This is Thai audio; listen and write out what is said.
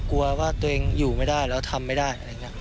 กลัวว่าตัวเองอยู่ไม่ได้แล้วทำไม่ได้